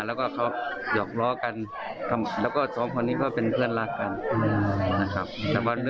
แล้วเขาหยอกร้อกันก็จะโซมเขาเป็นเพื่อนรักกัน